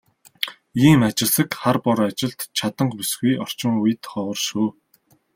Ийм ажилсаг, хар бор ажилд чаданги бүсгүй орчин үед ховор шүү.